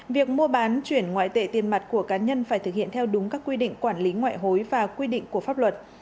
việc mua bán chuyển ngoại tệ tiền mặt của cá nhân phải thực hiện theo đúng các quy định quản lý ngoại hối và quy định của pháp luật